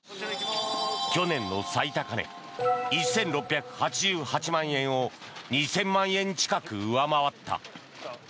去年の最高値１６８８万円を２０００万円近く上回った。